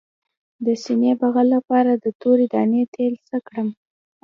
د سینې بغل لپاره د تورې دانې تېل څه کړم؟